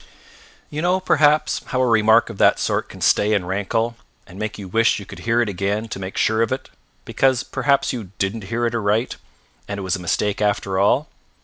You know, perhaps, how a remark of that sort can stay and rankle, and make you wish you could hear it again to make sure of it, because perhaps you didn't hear it aright, and it was a mistake after all.